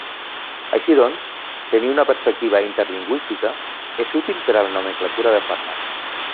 Així doncs, tenir una perspectiva interlingüística és útil per a la nomenclatura de fàrmacs.